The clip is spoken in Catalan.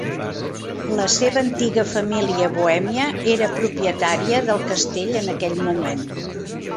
La seva antiga família bohèmia era propietària del castell en aquell moment.